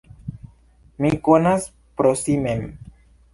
Mi konas pro si mem.